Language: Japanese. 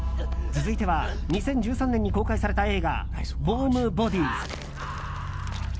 続いては２０１３年に公開された映画「ウォーム・ボディーズ」。